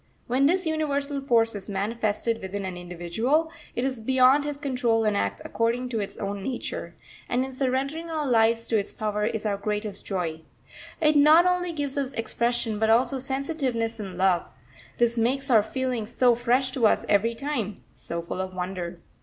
When this universal force is manifested within an individual, it is beyond his control and acts according to its own nature; and in surrendering our lives to its power is our greatest joy. It not only gives us expression, but also sensitiveness and love; this makes our feelings so fresh to us every time, so full of wonder.